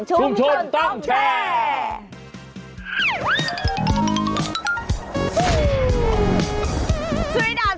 ชุมชนต้องแชร์